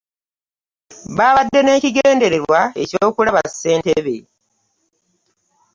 Babadde n'ekigendererwa eky'okulaba Ssentebe